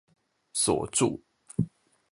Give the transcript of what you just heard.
鎖住